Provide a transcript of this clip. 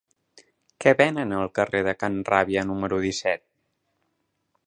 Què venen al carrer de Can Ràbia número disset?